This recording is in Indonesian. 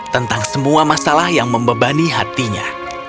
tentang semua masalah yang membebani hatinya